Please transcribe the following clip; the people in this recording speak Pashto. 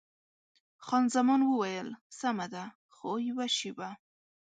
خان زمان وویل: سمه ده، خو یوه شېبه.